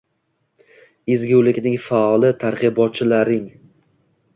Ezgulikning faol targ‘ibotchilaring